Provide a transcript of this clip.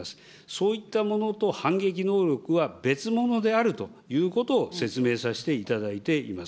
そういったものと反撃能力は別物であるということを説明させていただいています。